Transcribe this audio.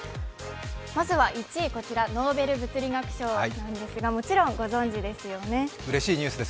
まずは１位、ノーベル物理学賞なんですが、もちろんご存じですよね。